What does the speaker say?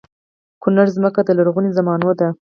کونړ ځمکه د لرغونو زمانو ده